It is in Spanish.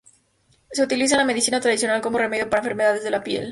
Se utiliza en la medicina tradicional como remedio para enfermedades de la piel.